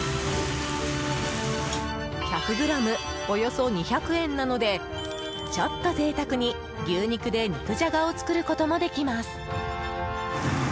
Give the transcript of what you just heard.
およそ２００円なのでちょっと贅沢に牛肉で肉じゃがを作ることもできます。